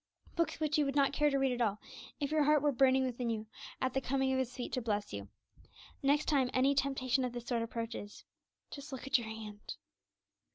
books which you would not care to read at all, if your heart were burning within you at the coming of His feet to bless you? Next time any temptation of this sort approaches, just _look at your hand!